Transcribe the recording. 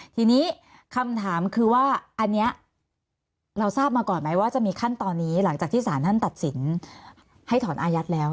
ทีนี้คำถามคือว่าอันนี้เราทราบมาก่อนไหมว่าจะมีขั้นตอนนี้หลังจากที่สารท่านตัดสินให้ถอนอายัดแล้ว